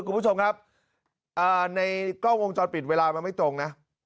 คุณผู้ชมครับในกล้องวงจรปิดเวลามันไม่ตรงนะ